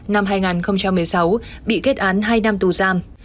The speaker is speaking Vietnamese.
năm hai nghìn một mươi sáu bị kết án hai năm tù giam